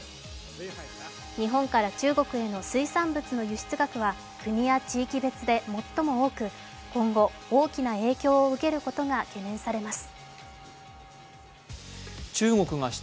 日本から中国への水産物の輸出額は国や地域別で最も多く、今後大きな影響を受けることが懸念されます。